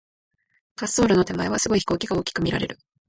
滑走路の手前は、すごい飛行機が大きく見られる。